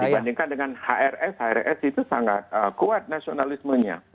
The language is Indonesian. karena dibandingkan dengan hrs hrs itu sangat kuat nasionalismenya